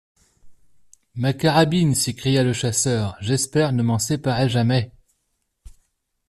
Ma carabine! s’écria le chasseur, j’espère ne m’en séparer jamais.